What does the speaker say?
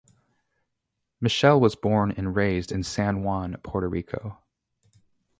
Michele was born and raised in San Juan, Puerto Rico.